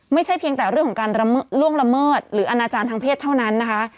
เพียงแต่เรื่องของการล่วงละเมิดหรืออนาจารย์ทางเพศเท่านั้นนะคะ